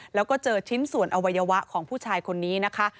แล้วก็เจอชิ้นส่วนอวัยวะของผู้ชายคนนี้นะคะ